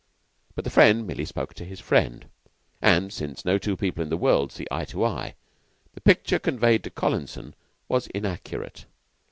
But the friend merely spoke of his friend; and since no two people in the world see eye to eye, the picture conveyed to Collinson was inaccurate.